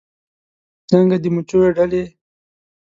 چې څنګه د مچېو ډلې